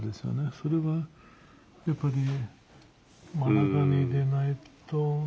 それはやっぱり真ん中にでないと。